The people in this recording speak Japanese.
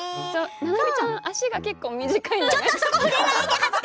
ななみちゃん足が結構短いんだね。